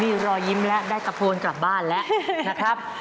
มีรอยยิ้มแล้วได้ตะโพนกลับบ้านแล้วนะครับ